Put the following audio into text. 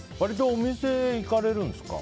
お店に行かれるんですか？